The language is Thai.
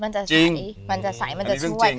มันจะใสมันจะช่วย